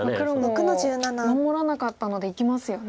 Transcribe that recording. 黒も守らなかったのでいきますよね。